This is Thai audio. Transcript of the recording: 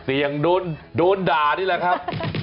เสียงโดนด่านี่แหละครับ